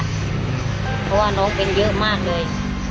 เพราะว่าน้องเป็นเยอะมากเลย